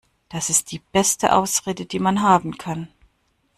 Das ist die beste Ausrede, die man haben kann.